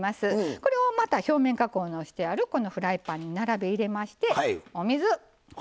これをまた表面加工のしてあるフライパンに並べ入れましてお水。